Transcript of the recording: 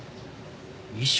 衣装？